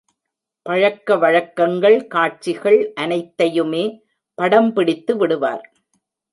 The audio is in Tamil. பழக்கவழக்கங்கள் காட்சிகள் அனைத்தையுமே படம்பிடித்து விடுவார்.